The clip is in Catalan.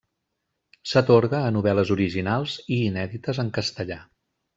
S'atorga a novel·les originals i inèdites en castellà.